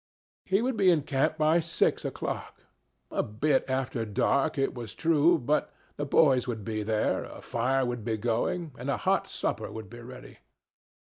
He would be in to camp by six o'clock; a bit after dark, it was true, but the boys would be there, a fire would be going, and a hot supper would be ready.